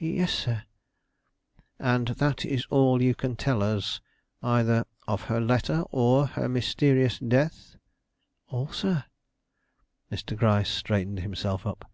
"Yes, sir." "And that is all you can tell us, either of her letter or her mysterious death?" "All, sir." Mr. Gryce straightened himself up.